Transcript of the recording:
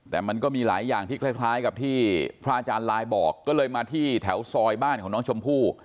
แต่มันก็มีหลายอย่างที่คล้ายกับที่พระอาจารย์ลายบอกก็เลยมาที่แถวซอยบ้านของน้องชมพู่